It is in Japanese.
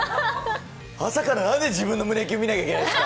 朝から、なんで、自分の胸キュン見なきゃいけないんですか。